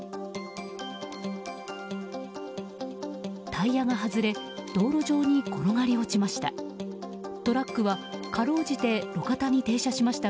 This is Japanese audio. タイヤが外れ道路上に転がり落ちました。